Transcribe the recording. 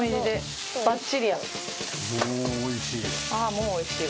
もう、おいしい。